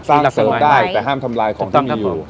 สร้างเสิร์ฟได้แต่ห้ามทำลายของที่มีอยู่